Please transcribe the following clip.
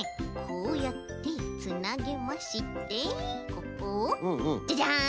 こうやってつなげましてここをジャジャン！